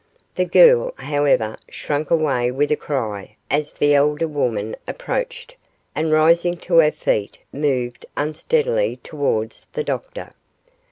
The girl, however, shrank away with a cry as the elder woman approached, and rising to her feet moved unsteadily towards the doctor.